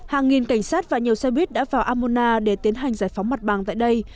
hàng nghìn cảnh sát và nhiều xe buýt đã vào ammona để tiến hành giải phóng mặt bằng tại đây